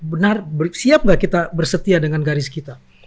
benar siap nggak kita bersetia dengan garis kita